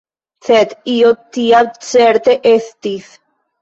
Sed io tia certe estis.